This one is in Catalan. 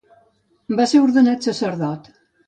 Va ser ordenat sacerdot.